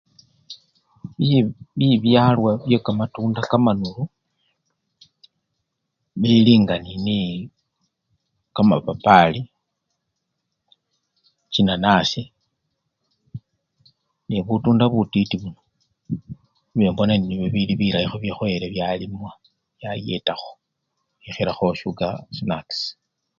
Bi! bibyalwa byekamatunda kamanulu, bili nga nini! kamapapali, chinanasi nebutunda butiti buno nibyo mbona indi bilibilayi bikhoyele byalimwa byayetakho bikhilakho sugar snacks.